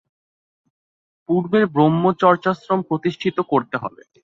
পূর্বের ব্রহ্মচর্যাশ্রম প্রতিষ্ঠিত করতে হবে।